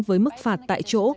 với mức phạt tại chỗ